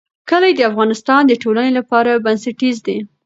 کلي د افغانستان د ټولنې لپاره بنسټیز دي.